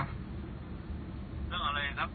เรื่องอะไรครับ